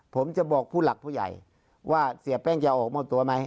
ผมจะบอกผู้หลักผู้ใหญ่ว่าเสียแป้งจะออกมอบตัวไหม